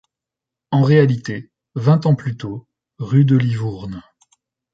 En réalité, vingt ans plus tôt, rue de Livourne.